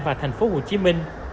và thành phố hồ chí minh